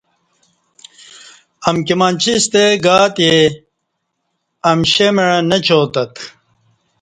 امکی منچی ستے گاتے امشیں مع نچاتت